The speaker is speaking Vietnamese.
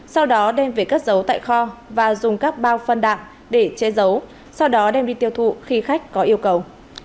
sau đó đem về cất giấu tại kho và dùng các bao phân đạm để che giấu sau đó đem đi tiêu thụ khi khách có yêu cầu